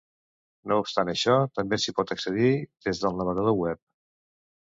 No obstant això, també s'hi pot accedir des del navegador web.